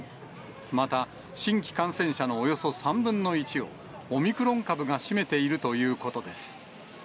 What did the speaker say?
また新規感染者のおよそ３分の１を、オミクロン株が占めているということです。